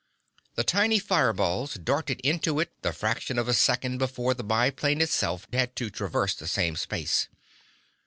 The tiny fire balls darted into it the fraction of a second before the biplane itself had to traverse the same space.